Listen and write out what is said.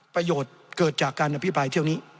ประโยชน์เกิดจากการอภิปรายเที่ยวนี้